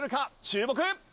注目！